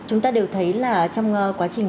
chúng ta đều thấy là trong quá trình